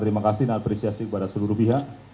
terima kasih dan apresiasi kepada seluruh pihak